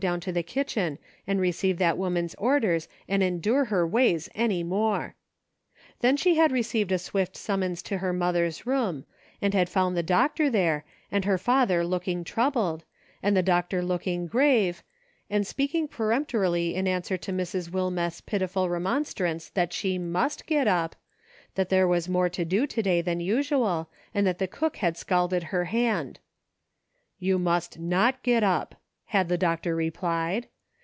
down to the kitchen and receive that woman's orders and endure her ways any more. Then she had received a swift summons to her mother's room, and had found the doctor there, and her father looking troubled, and the doctor looking grave, and speaking peremptorily in answer to Mrs. Wilmeth's pitiful remonstrance that she must get up ; that , there was more to do to day than usual, and that the cook had scalded her hand. " You must not get up," had the doctor replied.